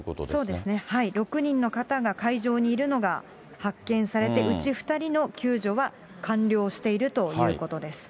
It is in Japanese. そうですね、６人の方が海上にいるのが発見されて、うち２人の救助は完了しているということです。